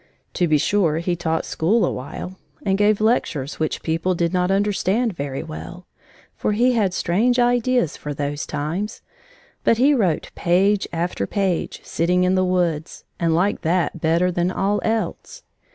To be sure he taught school a while and gave lectures which people did not understand very well, for he had strange ideas for those times, but he wrote page after page, sitting in the woods, and liked that better than all else.